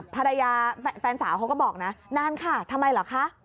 ภรรยาแฟนสาวเขาก็บอกนะนานค่ะทำไมเหรอคะ